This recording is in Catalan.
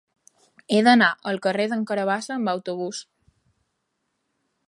He d'anar al carrer d'en Carabassa amb autobús.